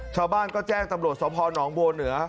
ชาวบ้านก็แจ้งตำรวจสพนบัวเหนือ